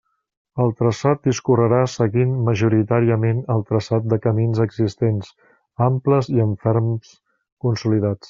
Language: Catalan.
El traçat discorrerà seguint majoritàriament el traçat de camins existents, amples i amb ferms consolidats.